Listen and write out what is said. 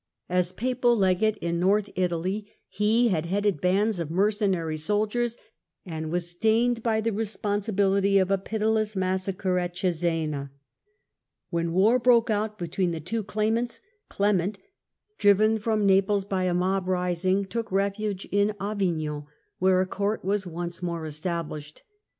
As Papal legate in North SCHISMS IN THE PAPACY AND EMPIRE 115 Italy he had headed bands of mercenary soldiers, and was stained by the responsibility for a pitiless massacre at Cesena. When war broke out between the two claimants, Clement, driven from Naples by a mob rising, took refuge in Avignon, where a Court was once more established.